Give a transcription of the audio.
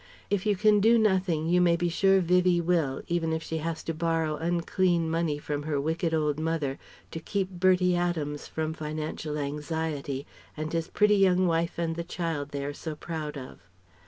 If you can do nothing you may be sure Vivie will, even if she has to borrow unclean money from her wicked old mother to keep Bertie Adams from financial anxiety and his pretty young wife and the child they are so proud of....